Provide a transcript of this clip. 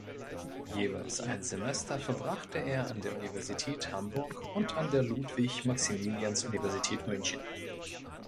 Jeweils ein Semester verbrachte er an der Universität Hamburg und an der Ludwig-Maximilians-Universität München.